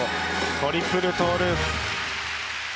トリプルトゥループ。